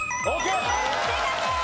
正解です。